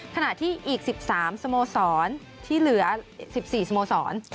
ขณะที่อีก๑๓สโมสรที่เหลือ๑๔สโมสร